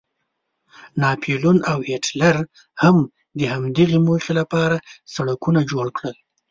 ناپلیون او هیټلر هم د همدغې موخې لپاره سړکونه جوړ کړل.